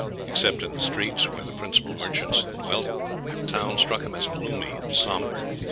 Except in the streets where the principal merchants dwelt, the town struck him as gloomy and sombre.